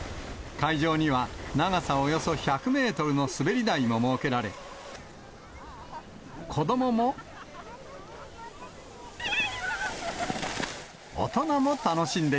会場には長さおよそ１００メートルの滑り台も設けられ、速い！